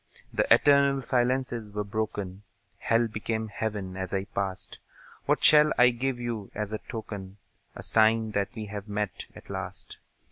The eternal silences were broken; Hell became Heaven as I passed. What shall I give you as a token, A sign that we have met, at last?